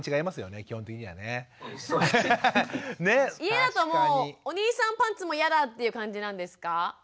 家だともうお兄さんパンツもやだっていう感じなんですか？